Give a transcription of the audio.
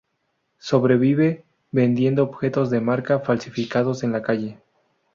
Sobrevive vendiendo objetos de marca falsificados en la calle.